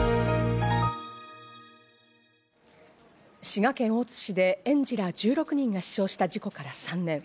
滋賀県大津市で園児ら１６人が死傷した事故から３年。